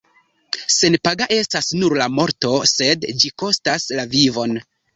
Senpaga estas nur la morto, sed ĝi kostas la vivon.